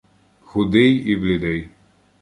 Худий і блідий.